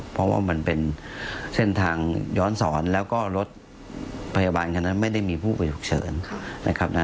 เพราะว่ามันเป็นเส้นทางย้อนสอนแล้วก็รถพยาบาลคันนั้นไม่ได้มีผู้ป่วยฉุกเฉินนะครับ